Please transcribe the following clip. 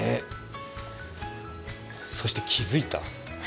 そして気づいた？